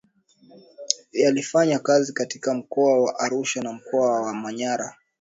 yalifanya kazi katika mkoa wa arusha na mkoa wa manyara